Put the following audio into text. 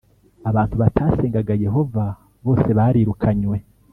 abantu batasengaga Yehova bose barirukanywe